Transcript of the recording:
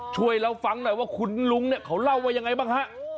ช่วยเราฟังหน่อยว่าคุณลุงเนี่ยเขาเล่าว่ายังไงบ้างฮะ